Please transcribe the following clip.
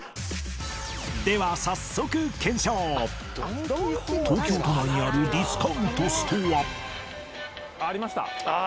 では早速東京都内にあるディスカウントストアありました。